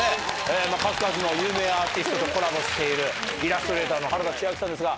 数々の有名アーティストとコラボしているイラストレーターの原田ちあきさんですが。